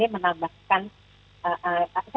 perlindungan baik perlindungan fisik